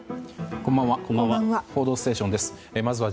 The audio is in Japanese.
こんばんは。